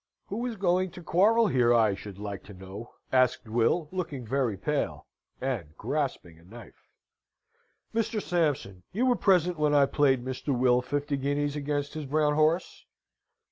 "Who is going to quarrel here, I should like to know?" asked Will, looking very pale, and grasping a knife. "Mr. Sampson, you were present when I played Mr. Will fifty guineas against his brown horse?"